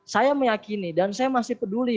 saya meyakini dan saya masih peduli